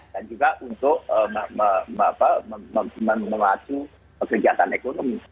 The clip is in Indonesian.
dan juga untuk memuat kekejatan ekonomi